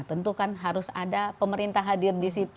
tentu kan harus ada pemerintah hadir di situ